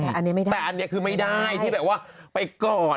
อันนี้ไม่ได้แต่อันนี้คือไม่ได้ที่แบบว่าไปกอด